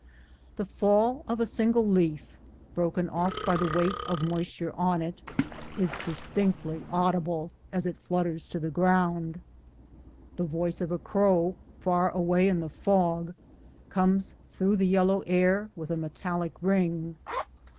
The fall of a single leaf, broken off by the weight of moisture on it, is distinctly au dible as it flutters to the ground. The voice of a crow, far away in the fog, comes through the yellow air with a metallic ring.